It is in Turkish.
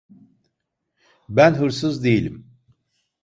Ben hırsız değilim!